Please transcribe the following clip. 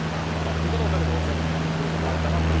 見方を変えれば５０００票あいたなという。